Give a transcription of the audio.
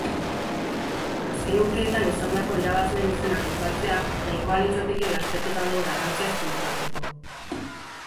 Azken urteetan izandako irabazleen izenak aipatzea nahikoa litzateke lasterketa honen garrantziaz konturatzeko.